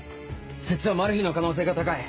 摂津はマル被の可能性が高い。